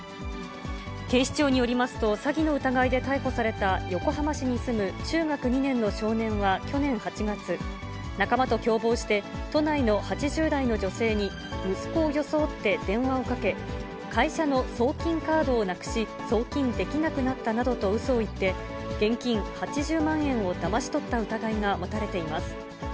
警視庁によりますと、詐欺の疑いで逮捕された横浜市に住む中学２年の少年は去年８月、仲間と共謀して、都内の８０代の女性に息子を装って電話をかけ、会社の送金カードをなくし、送金できなくなったなどとうそを言って、現金８０万円をだまし取った疑いが持たれています。